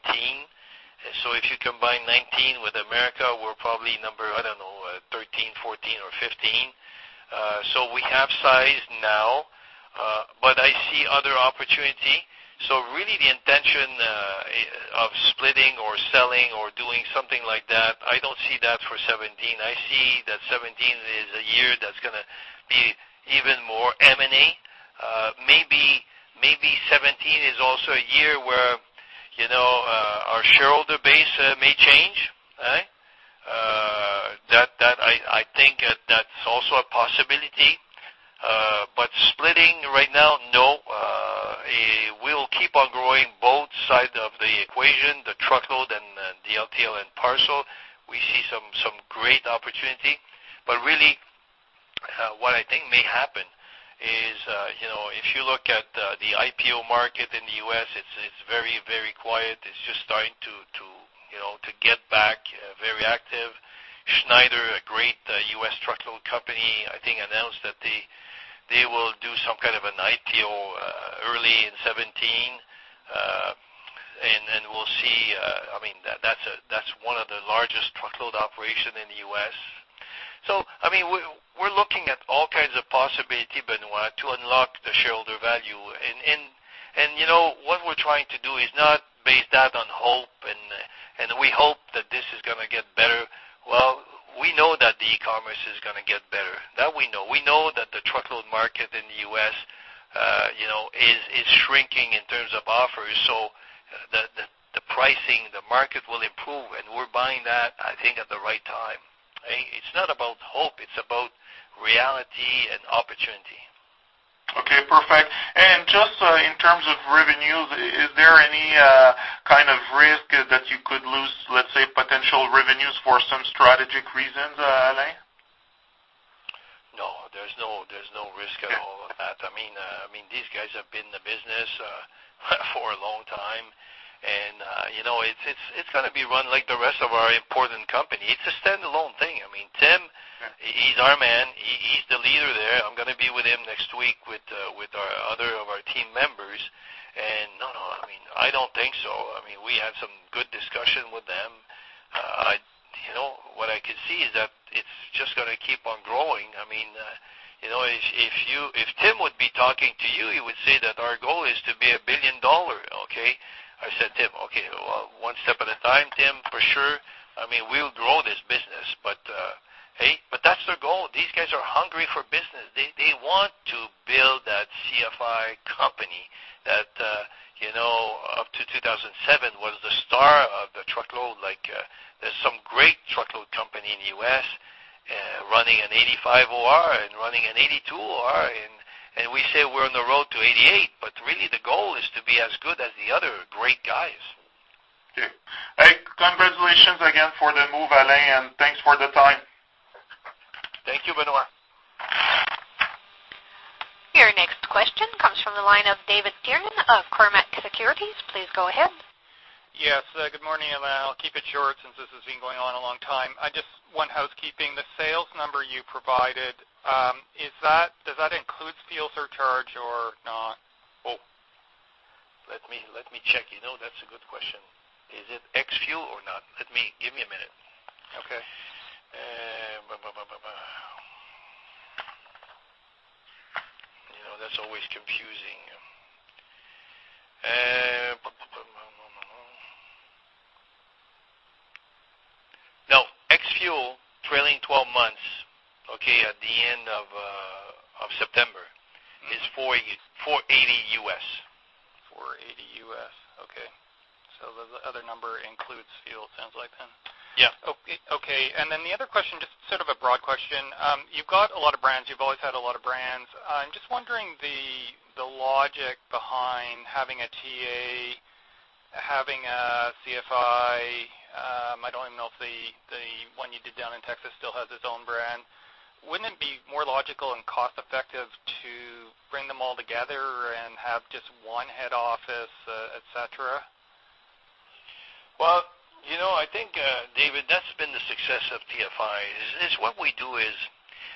So if you combine 19 with America, we're probably number, I don't know, 13, 14 or 15. So we have size now, but I see other opportunity. So really the intention of splitting or selling or doing something like that, I don't see that for 2017. I see that 2017 is a year that's gonna be even more M&A. Maybe, maybe 2017 is also a year where, you know, our shareholder base may change, right? That, I think that's also a possibility. But splitting right now, no. We'll keep on growing both sides of the equation, the truckload and the LTL and parcel. We see some great opportunity, but really, what I think may happen is, you know, if you look at the IPO market in the U.S., it's very, very quiet. It's just starting to, you know, to get back very active. Schneider, a great U.S. truckload company, I think, announced that they will do some kind of an IPO early in 2017. And we'll see, I mean, that's one of the largest truckload operation in the U.S. So I mean, we're looking at all kinds of possibility, Benoit, to unlock the shareholder value. You know, what we're trying to do is not base that on hope, and we hope that this is gonna get better. Well, we know that the e-commerce is gonna get better. That we know. We know that the truckload market in the U.S., you know, is shrinking in terms of offers. So the pricing, the market will improve, and we're buying that, I think, at the right time. It's not about hope, it's about reality and opportunity. Okay, perfect. And just, in terms of revenues, is there any kind of risk that you could lose, let's say, potential revenues for some strategic reasons, Alain? No, there's no, there's no risk at all of that. I mean, I mean, these guys have been in the business for a long time, and, you know, it's, it's, it's gonna be run like the rest of our important company. It's a standalone thing. I mean, Tim, he's our man. He, he's the leader there. I'm gonna be with him next week with, with our other of our team members. And no, no, I mean, I don't think so. I mean, we had some good discussion with them. I, you know, what I can see is that it's just gonna keep on growing. I mean, you know, if, if you- if Tim would be talking to you, he would say that our goal is to be $1 billion, okay? I said, "Tim, okay, well, one step at a time, Tim, for sure." I mean, we'll grow this business, but, hey, but that's their goal. These guys are hungry for business. They want to build that CFI company that, you know, up to 2007 was the star of the truckload. Like, there's some great truckload company in the U.S., running an 85 OR and running an 82 OR, and we say we're on the road to 88, but really the goal is to be as good as the other great guys. Okay. Hey, congratulations again for the move, Alain, and thanks for the time. Thank you, Benoit. Your next question comes from the line of David Tyerman of Cormark Securities. Please go ahead. Yes, good morning, Alain. I'll keep it short, since this has been going on a long time. I just, one housekeeping, the sales number you provided, is that- does that include fuel surcharge or not? Oh, let me, let me check. You know, that's a good question. Is it ex-fuel or not? Let me... Give me a minute. Okay. BA. You know, that's always confusing. BA. No, ex-fuel, trailing twelve months, okay, at the end of September, is $44.80. $480. Okay. So the other number includes fuel, it sounds like then? Yeah. Okay. And then the other question, just sort of a broad question. You've got a lot of brands. You've always had a lot of brands. I'm just wondering the logic behind having a TA, having a CFI. I don't even know if the one you did down in Texas still has its own brand. Wouldn't it be more logical and cost-effective to bring them all together and have just one head office, et cetera? Well, you know, I think, David, that's been the success of TFI, is what we do is...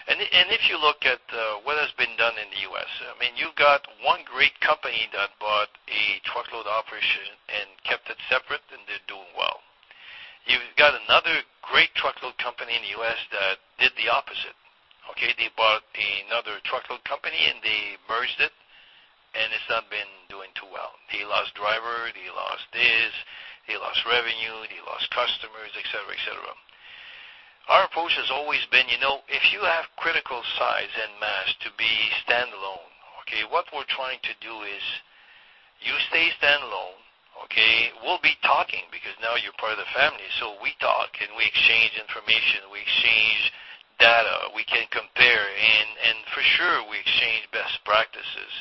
And, and if you look at, what has been done in the U.S., I mean, you've got one great company that bought a truckload operation and kept it separate, and they're doing well. You've got another great truckload company in the U.S. that did the opposite, okay? They bought another truckload company, and they merged it, and it's not been doing too well. They lost driver, they lost this, they lost revenue, they lost customers, et cetera, et cetera. Our approach has always been, you know, if you have critical size and mass to be standalone, okay, what we're trying to do is you stay standalone, okay? We'll be talking because now you're part of the family. So we talk and we exchange information, we exchange data, we can compare, and, and for sure, we exchange best practices.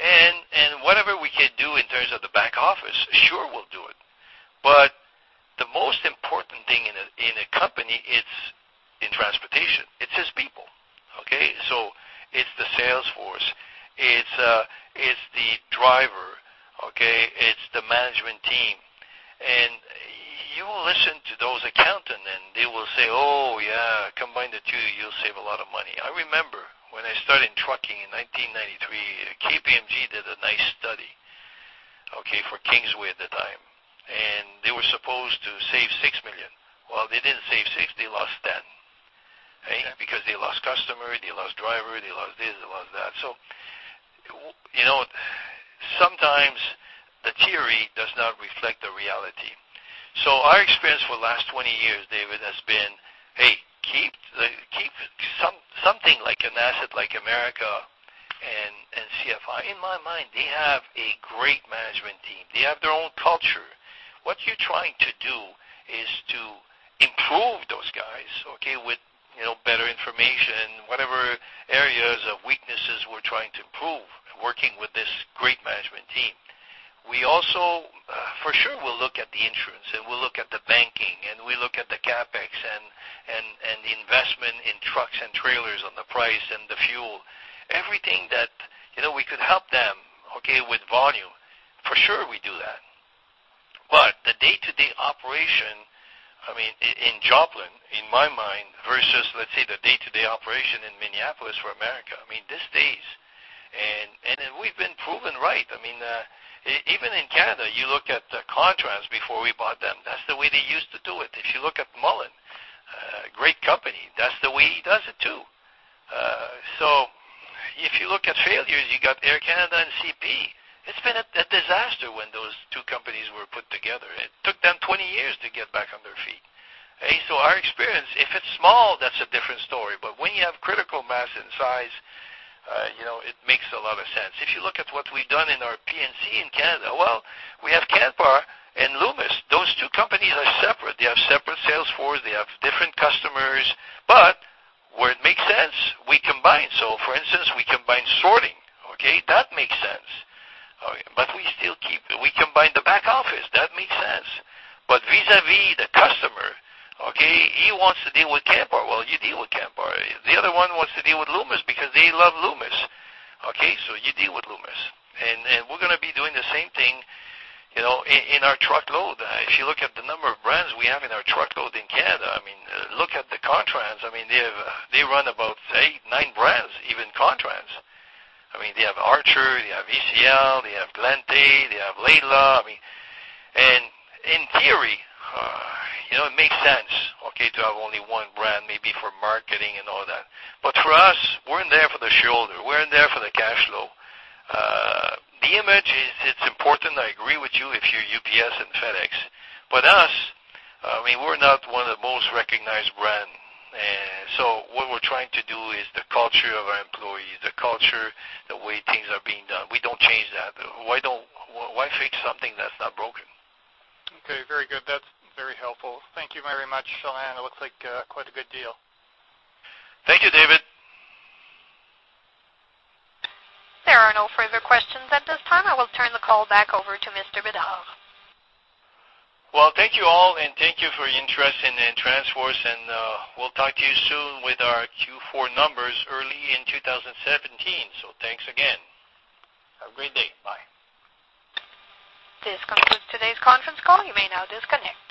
And, and whatever we can do in terms of the back office, sure, we'll do it. But the most important thing in a, in a company, it's in transportation, it's its people, okay? So it's the sales force, it's, it's the driver, okay? It's the management team. And you listen to those accountants, and they will say, "Oh, yeah, combine the two, you'll save a lot of money." I remember when I started trucking in 1993, KPMG did a nice study, okay, for Kingsway at the time, and they were supposed to save 6 million. Well, they didn't save 6 million, they lost 10 million. Okay. Because they lost customers, they lost drivers, they lost this, they lost that. So, you know, sometimes the theory does not reflect the reality. So our experience for the last 20 years, David, has been, hey, keep something like an asset like Transport America and CFI. In my mind, they have a great management team. They have their own culture. What you're trying to do is to improve those guys, okay, with, you know, better information, whatever areas of weaknesses we're trying to improve, working with this great management team. We also, for sure, we'll look at the insurance, and we'll look at the banking, and we look at the CapEx and, and, and the investment in trucks and trailers on the price and the fuel. Everything that, you know, we could help them, okay, with volume, for sure we do that. But the day-to-day operation, I mean, in Joplin, in my mind, versus, let's say, the day-to-day operation in Minneapolis for America, I mean, this stays. And we've been proven right. I mean, even in Canada, you look at the Contrans before we bought them, that's the way they used to do it. If you look at Mullen, a great company, that's the way he does it, too. So if you look at failures, you got Air Canada and CP. It's been a disaster when those two companies were put together. It took them 20 years to get back on their feet. So our experience, if it's small, that's a different story. But when you have critical mass and size, you know, it makes a lot of sense. If you look at what we've done in our P&C in Canada, well, we have Canpar and Loomis. Those two companies are separate. They have separate sales force, they have different customers, but where it makes sense, we combine. So for instance, we combine sorting, okay? That makes sense. But we still keep, we combine the back office, that makes sense. But vis-à-vis the customer, okay, he wants to deal with Canpar, well, you deal with Canpar. The other one wants to deal with Loomis because they love Loomis, okay? So you deal with Loomis. And, and we're gonna be doing the same thing, you know, in, in our truckload. If you look at the number of brands we have in our truckload in Canada, I mean, look at the contrans. I mean, they have, they run about 8, 9 brands, even contrans. I mean, they have Archer, they have E.C.L., they have Glen Tay, they have Laidlaw. I mean, and in theory, you know, it makes sense, okay, to have only one brand, maybe for marketing and all that. But for us, we're in there for the shoulder, we're in there for the cash flow. The image is, it's important, I agree with you, if you're UPS and FedEx, but us, we're not one of the most recognized brand. And so what we're trying to do is the culture of our employees, the culture, the way things are being done, we don't change that. Why fix something that's not broken? Okay, very good. That's very helpful. Thank you very much, Alain. It looks like quite a good deal. Thank you, David. There are no further questions at this time. I will turn the call back over to Mr. Bedard. Well, thank you all, and thank you for your interest in TransForce, and we'll talk to you soon with our Q4 numbers early in 2017. So thanks again. Have a great day. Bye. This concludes today's conference call. You may now disconnect.